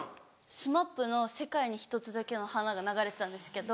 ＳＭＡＰ の『世界に一つだけの花』が流れてたんですけど。